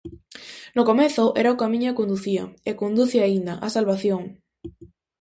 No comezo era o camiño e conducía, e conduce aínda, á salvación.